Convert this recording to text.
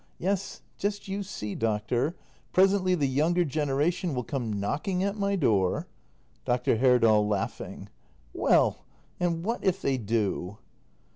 Yes, just you see, doctor — presently the younger generation will come knocking at my door Dr. Herdal. Well, and what if they do